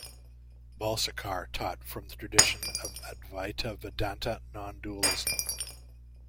Balsekar taught from the tradition of Advaita Vedanta nondualism.